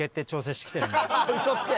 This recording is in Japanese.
嘘つけ！